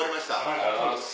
ありがとうございます。